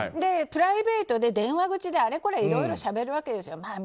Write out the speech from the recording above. プライベートで電話口であれこれいろいろしゃべるわけですよ。